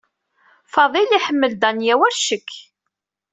Faḍil iḥemmel Danya war ccek.